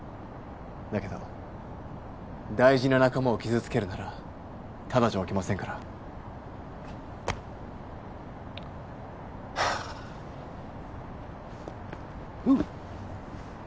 だけど大事な仲間を傷つけるならただじゃおきませんからはぁふぅ！